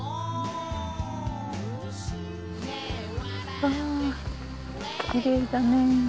うわぁきれいだね。